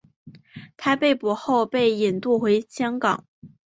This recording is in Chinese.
他被捕后被引渡回香港。